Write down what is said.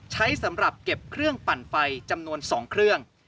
ใช้สำหรับเก็บเครื่องปั่นไฟจำนวน๒เครื่อง